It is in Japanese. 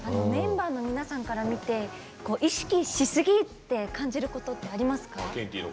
メンバーの皆さんから見て意識しすぎって感じることってありますか？